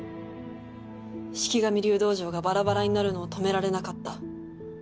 四鬼神流道場がバラバラになるのを止められなかった。